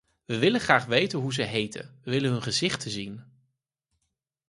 We willen graag weten hoe ze heten, we willen hun gezichten zien.